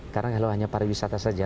karena kalau hanya pariwisata saja